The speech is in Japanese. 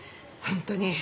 本当に。